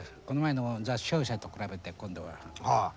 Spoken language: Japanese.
この前の「ザ商社」と比べて今度は？